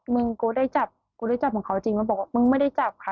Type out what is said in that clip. มึงกูได้จับเค้าหังมากเค้าจริงก็บอกมึงไม่ได้จับค่ะ